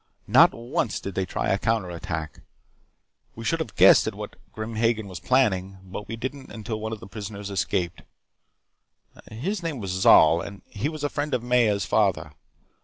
Not once did they try a counter attack. We should have guessed at what Grim Hagen was planing. But we didn't until one of the prisoners escaped. His name was Zol, and he was a friend of Maya's father.